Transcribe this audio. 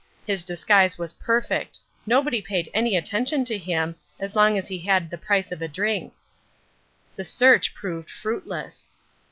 His disguise was perfect. Nobody paid any attention to him as long as he had the price of a drink. The search proved fruitless.